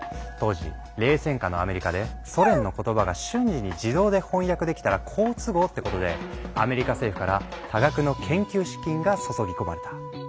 当時冷戦下のアメリカでソ連の言葉が瞬時に自動で翻訳できたら好都合ってことでアメリカ政府から多額の研究資金が注ぎ込まれた。